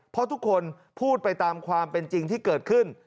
เพราะทุกคนพูดไปตามความเป็นจริงที่เกิดขึ้น